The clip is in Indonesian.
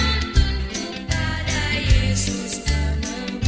dan menontonku pada yesus tanamu